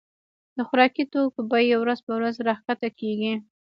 د خوراکي توکو بيي ورځ په ورځ را کښته کيږي.